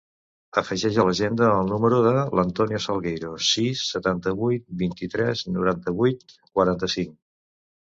Afegeix a l'agenda el número de l'Antonio Salgueiro: sis, setanta-vuit, vint-i-tres, noranta-vuit, quaranta-cinc.